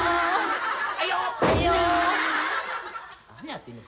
何やってんの？